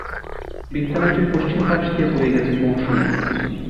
বিদ্যালয়টির পশ্চিম পাশ দিয়ে বয়ে গেছে বংশী নদী।